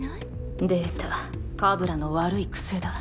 出たカブラの悪い癖だ